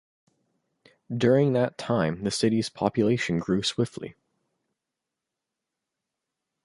During that time, the city's population grew swiftly.